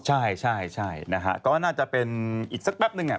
ใช่ใช่นะฮะก็น่าจะเป็นอีกสักแป๊บนึง